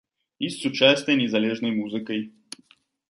І з сучаснай незалежнай музыкай.